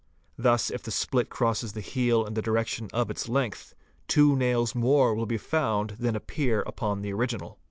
Thus if the split crosses the heel in the direc tion of its length, two nails more will be found than appear upon the original.